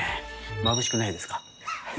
まぶしくないですか？